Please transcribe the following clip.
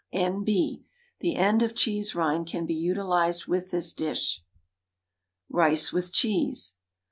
N.B. The end of cheese rind can be utilised with this dish. RICE WITH CHEESE.